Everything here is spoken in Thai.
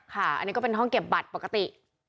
ค่ะอันนี้ก็เป็นห้องเก็บบัตรปกติ